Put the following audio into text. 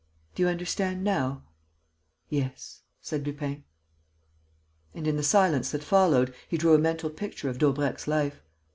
Do you understand now?" "Yes," said Lupin. And, in the silence that followed, he drew a mental picture of Daubrecq's life.